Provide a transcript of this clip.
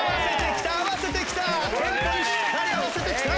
テンポにしっかり合わせてきた。